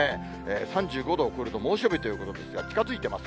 ３５度を超えると猛暑日ということですが、近づいてます。